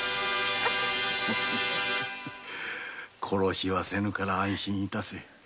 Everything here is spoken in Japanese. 殺しはせぬから安心致せ。